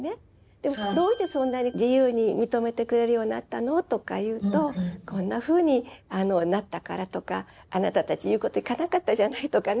でもどうしてそんなに自由に認めてくれるようになったの？とか言うとこんなふうになったからとかあなたたち言うこときかなかったじゃないとかね。